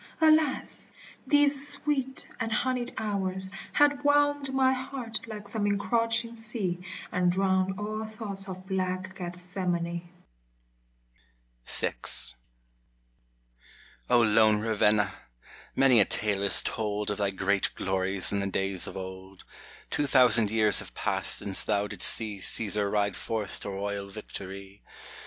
alas ! these sweet and honied hours Had 'whelmed my heart like some encroaching sea, And drowned all thoughts of black Gethsemane. VI O lone Ravenna ! many a tale is told Of thy great glories in the days of old : Two thousand years have passed since thou didst see Caesar ride forth to royal victory.